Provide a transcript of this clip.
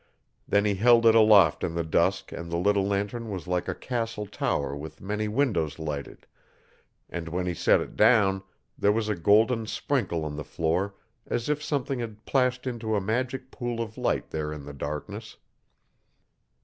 Then he held it aloft in the dusk and the little lantern was like a castle tower with many windows lighted, and, when he set it down, there was a golden sprinkle on the floor as if something had plashed into a magic pool of light there in the darkness.